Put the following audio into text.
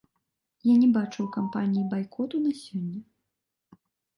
Я не бачу ў кампаніі байкоту на сёння.